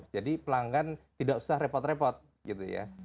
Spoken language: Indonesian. jadi pelanggan tidak usah repot repot gitu ya